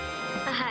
はい。